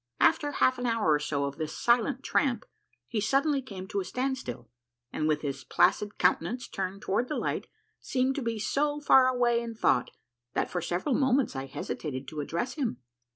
After half an hour or so of this silent tramp, he suddenly came to a standstill, and with his placid countenance turned toward the light seemed to be so far away in thougfht that for several moments I hesitated to address him.